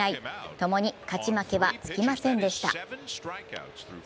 ともに勝ち負けはつきませんでした。